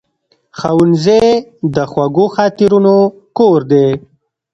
ښوونځی د خوږو خاطرونو کور دی